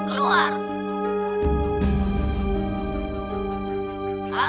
kau ialah si